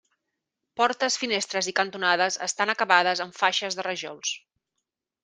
Portes, finestres i cantonades estan acabades amb faixes de rajols.